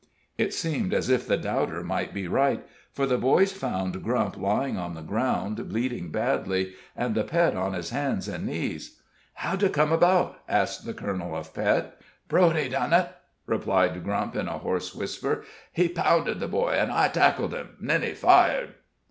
It seemed as if the doubter might be right, for the boys found Grump lying on the ground bleeding badly, and the Pet on his hands and knees. "How did it come 'bout?" asked the colonel of Pet. "Broady done it," replied Grump, in a hoarse whisper; "he pounded the boy, and I tackled him then he fired."